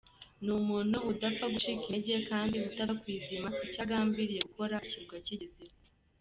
Ni umuntu udapfa gucika intege kandi utava ku izima, icyo yagambiriye gukora ashyirwa akigezeho.